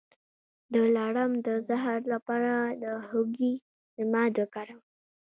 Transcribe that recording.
د لړم د زهر لپاره د هوږې ضماد وکاروئ